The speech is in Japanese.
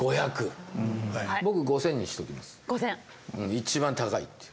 一番高いっていう。